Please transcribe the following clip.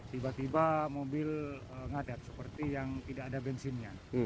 tiba tiba mobil ngadat seperti yang tidak ada bensinnya